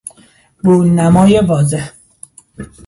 برون نمای واضح